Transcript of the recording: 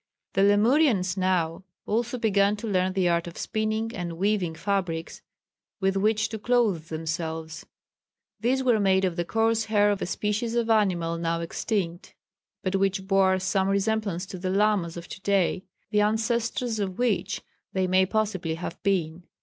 The Lemurians now also began to learn the art of spinning and weaving fabrics with which to clothe themselves. These were made of the coarse hair of a species of animal now extinct, but which bore some resemblance to the llamas of to day, the ancestors of which they may possibly have been.